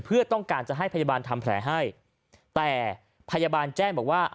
เพื่อต้องการจะให้พยาบาลทำแผลให้แต่พยาบาลแจ้งบอกว่า